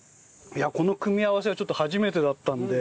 この組み合わせはちょっと初めてだったんで。